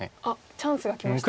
チャンスがきましたか。